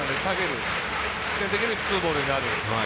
必然的にツーボールになる。